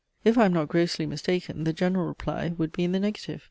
If I am not grossly mistaken, the general reply would be in the negative.